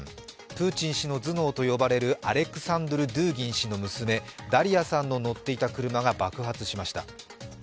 プーチン氏の頭脳と呼ばれるアレクサンドル・ドゥーギン氏の娘、ダリヤさんの乗っていた車が爆発しました。